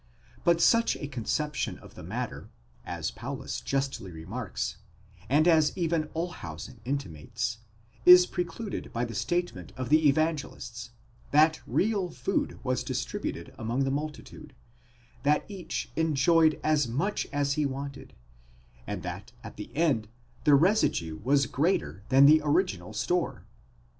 But such a conception of the matter, as Paulus justly remarks, and as even Olshausen intimates, is precluded by the statement of the Evan gelists, that real food was distributed among the multitude ; that each enjoyed as much as he wanted ; and that at the end the residue was greater than the original store.